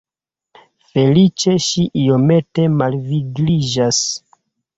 Feliĉe ŝi iomete malvigliĝas.